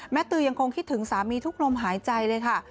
ตือยังคงคิดถึงสามีทุกลมหายใจเลยค่ะ